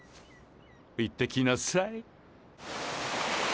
行ってきなサイ。